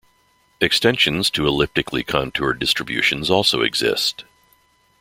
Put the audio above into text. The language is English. Extensions to elliptically-contoured distributions also exist.